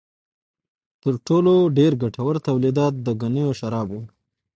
تر ټولو ډېر ګټور تولیدات د ګنیو شراب و.